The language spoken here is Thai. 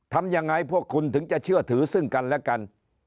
ทำยังไงพวกคุณถึงจะเชื่อถือซึ่งกันและกัน